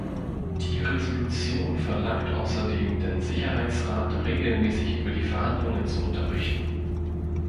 Die Resolution verlangt außerdem, den Sicherheitsrat regelmäßig über die Verhandlungen zu unterrichten.